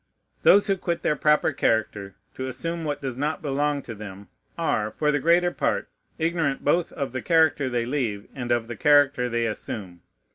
Those who quit their proper character to assume what does not belong to them are, for the greater part, ignorant both of the character they leave and of the character they assume.